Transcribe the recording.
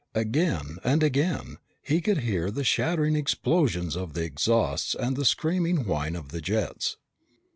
Again and again, he could hear the shattering explosions of the exhausts and the screaming whine of the jets.